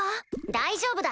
大丈夫だ。